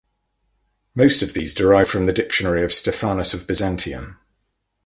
Most of these derive from the dictionary of Stephanus of Byzantium.